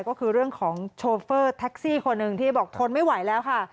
ก็คือเรื่องของโชเฟอร์แท็กซี่คนหนึ่งที่บอกทนไม่ไหวแล้วค่ะ